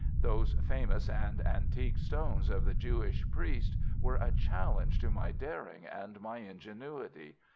Those famous and antique stones of the Jewish priest were a challenge to my daring and my ingenuity.